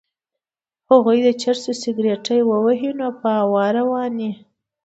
هغوی د چرسو سګرټی ووهي نو په هوا روان وي.